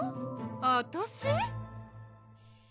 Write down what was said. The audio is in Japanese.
あたし？